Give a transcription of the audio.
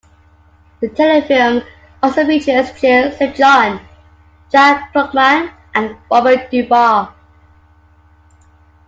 The telefilm also features Jill Saint John, Jack Klugman, and Robert Duvall.